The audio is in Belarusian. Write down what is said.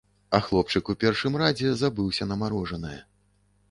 А хлопчык у першым радзе забыўся на марожанае.